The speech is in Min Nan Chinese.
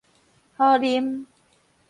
好啉